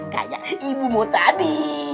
kayak ibu mau tadi